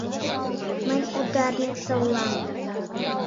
— Мынь ударница улам!